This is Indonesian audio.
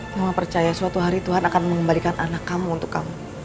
kamu percaya suatu hari tuhan akan mengembalikan anak kamu untuk kamu